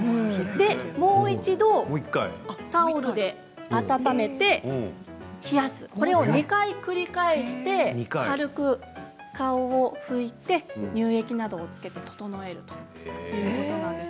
もう一度タオルで温めて冷やす、これを２回繰り返して軽く顔を拭いて乳液などをつけて整えるということなんです。